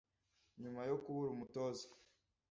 Nyuma yo kubura umutoza,